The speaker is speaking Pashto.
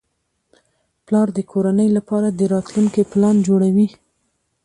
پلار د کورنۍ لپاره د راتلونکي پلان جوړوي